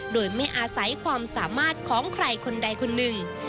โดยไม่อาศัยความสามารถของใครคนใดคนหนึ่ง